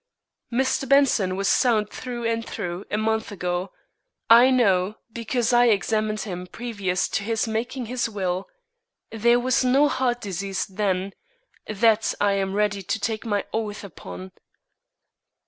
"Mr. Benson was sound through and through a month ago. I know, because I examined him previous to his making his will. There was no heart disease then; that I am ready to take my oath upon."